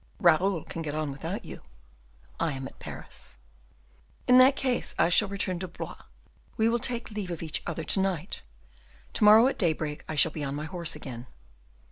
Raoul can get on without you. I am at Paris." "In that case I shall return to Blois. We will take leave of each other to night; to morrow at daybreak I shall be on my horse again."